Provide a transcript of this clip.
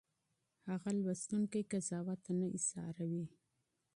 هغه لوستونکی قضاوت ته نه مجبوروي.